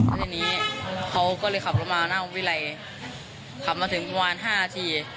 แล้วทีนี้เขาก็เลยขับลงมานั่งวิไรขับมาถึงประมาณ๕นาที